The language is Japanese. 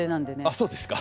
あっそうですか。